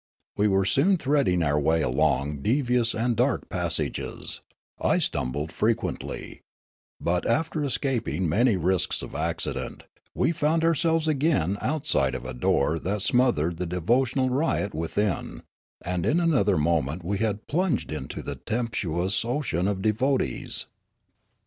We were soon threading our way along devious and dark pas sages ; I stumbled frequently ; but, after escaping many risks of accident, we found ourselves again out side of a door that smothered the devotional riot with in; and in another moment we had plunged into the tempestuous ocean of devotees.